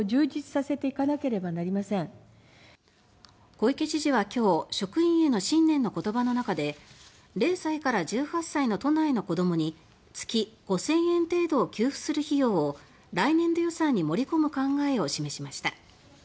小池知事は今日職員への新年の言葉の中で０歳から１８歳の都内の子どもに月５０００円程度を給付する費用を来年度予算に盛り込む考えを示しました。